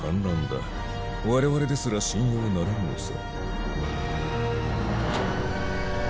我々ですら信用ならんのさ。